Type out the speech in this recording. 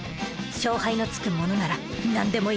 勝敗のつくものならなんでもいい。